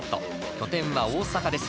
拠点は大阪です。